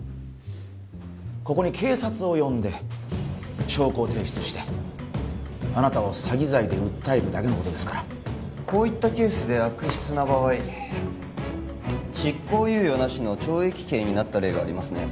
ここに警察を呼んで証拠を提出してあなたを詐欺罪で訴えるだけのことですからこういったケースで悪質な場合執行猶予なしの懲役刑になった例がありますね